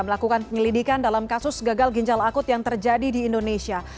melakukan penyelidikan dalam kasus gagal ginjal akut yang terjadi di indonesia